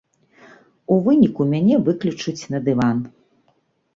У выніку мяне выклічуць на дыван.